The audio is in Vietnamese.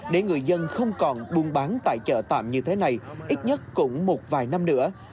để người dân không còn buôn bán tại chợ tạm như thế này ít nhất cũng một vài năm nữa